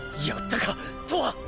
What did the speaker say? やったぁ！